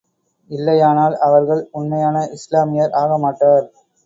இல்லையானால், அவர்கள் உண்மையான இஸ்லாமியர் ஆக மாட்டார்.